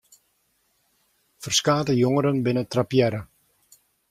Ferskate jongeren binne trappearre.